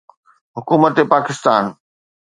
حڪومت پاڪستان